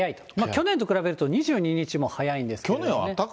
去年と比べると２２日も早いんですけどね。